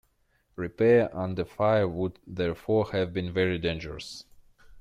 Repair under fire would therefore have been very dangerous.